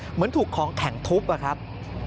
เหมือนถูกของแข็งทุบอะครับ